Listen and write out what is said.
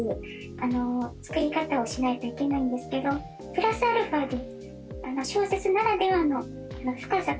プラスアルファで。